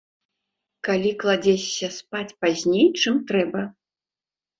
Калі кладзешся спаць пазней, чым трэба.